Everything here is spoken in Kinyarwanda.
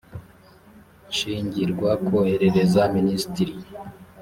shyingirwa koherereza minisitiri